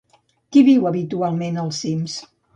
Qui viu habitualment als cims?